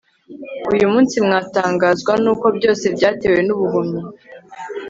uyu munsi mwatangazwa nuko byose byatewe nubuhumyi